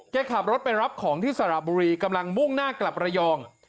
ขับรถไปรับของที่สระบุรีกำลังมุ่งหน้ากลับระยอง